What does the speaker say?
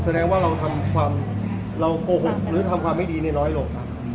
แสดงว่าเราโโหขหรือเราทำความไม่ดีในร้อยโลก